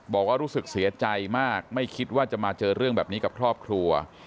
บอกว่ารู้สึกเสียใจมากไม่คิดว่าจะมาเจอเรื่องแบบนี้กับครอบครัว